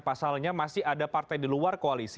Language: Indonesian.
pasalnya masih ada partai di luar koalisi